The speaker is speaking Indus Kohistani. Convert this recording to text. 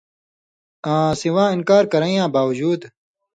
آں سِواں انکار کرَیں یاں باوجُود